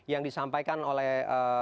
yang disampaikan oleh